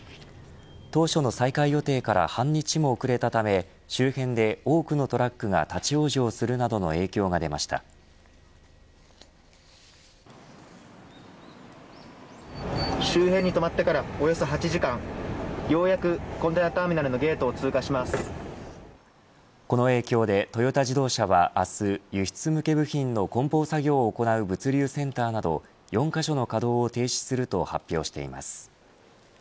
当初の再開予定から半日も遅れたため周辺で多くのトラックが立ち往生するなどの周辺に止まってからおよそ８時間ようやくコンテナターミナルのこの影響でトヨタ自動車は明日輸出向け部品の梱包作業を行う物流センターなど４カ所の稼働を停止すると発表しています。